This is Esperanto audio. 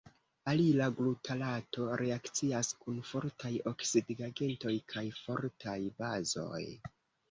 Alila glutarato reakcias kun fortaj oksidigagentoj kaj fortaj bazoj.